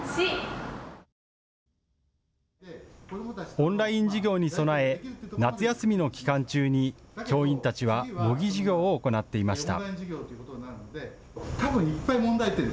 オンライン授業に備え、夏休みの期間中に教員たちは模擬授業を行っていました。